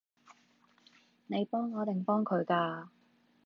你幫我定幫佢㗎？